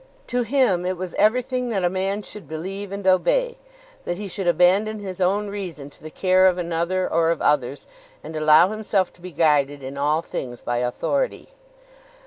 To him it was everything that a man should believe and obey, that he should abandon his own reason to the care of another or of others, and allow himself to be guided in all things by authority.